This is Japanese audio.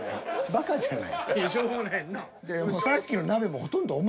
バカじゃない？